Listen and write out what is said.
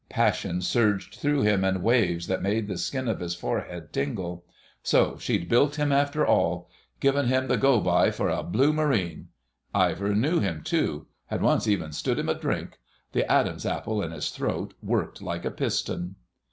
Passion surged through him in waves that made the skin of his forehead tingle. So she'd bilked him after all: given him the go by for a Blue Marine! Ivor knew him too, ... had once even stood him a drink.... The Adam's apple in his throat worked like a piston.